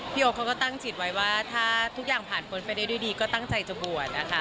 โอ๊คเขาก็ตั้งจิตไว้ว่าถ้าทุกอย่างผ่านพ้นไปได้ด้วยดีก็ตั้งใจจะบวชนะคะ